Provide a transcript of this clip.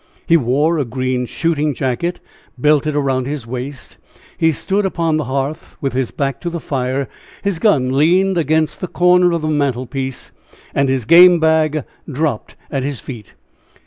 He wore a green shooting jacket, belted around his waist. He stood upon the hearth with his back to the fire, his gun leaned against the corner of the mantle piece, and his game bag dropped at his feet.